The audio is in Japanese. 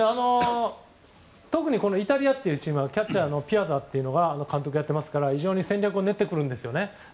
特にイタリアというチームはキャッチャーのピアザというのが監督やってますから非常に戦略を練ってくるんですね。